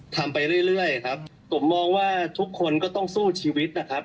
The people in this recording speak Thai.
ทำไปเรื่อยครับผมมองว่าทุกคนก็ต้องสู้ชีวิตนะครับ